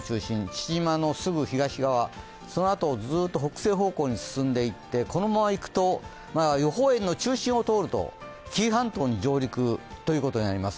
父島のすぐ東側、そのあとずっと北西方向に進んでいって、このままいくと予報円の中心を通ると、紀伊半島に上陸ということになります。